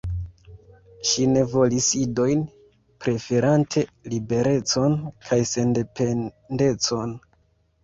Ŝi ne volis idojn, preferante liberecon kaj sendependecon.